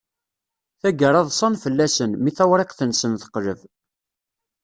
Tagara ḍsan fell-asen, mi tawriqt-nsen teqleb.